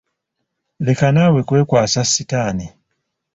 Leka naawe kwekwasa sitaani.